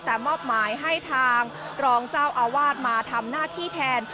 แต่มอบหมายให้ทางรองเจ้าอาวาสมาทำหน้าที่แทน